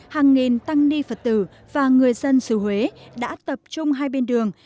hàng nghìn tăng ni phật tử và người dân xứ huế đã tập trung hai bên đường